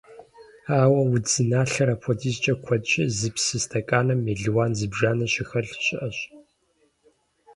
Ауэ удзналъэр апхуэдизкӀэ куэдщи, зы псы стэканым мелуан зыбжанэ щыхэлъ щыӀэщ.